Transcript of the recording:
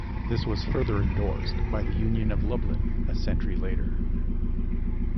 This was further endorsed by the Union of Lublin a century later.